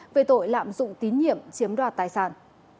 về tội lạm dụng tín nhiệm chiếm đoạt tài sản